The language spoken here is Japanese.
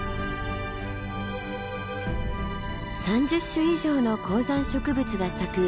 ３０種以上の高山植物が咲く